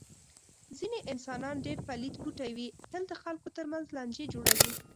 ځنې انسانان ډېر پلیت بوټی وي. تل د خلکو تر منځ لانجې جوړوي.